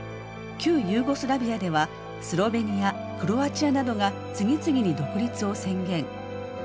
旧ユーゴスラビアではスロベニアクロアチアなどが次々に独立を宣言。